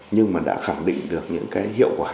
nhưng mà đã khẳng định được những hiệu quả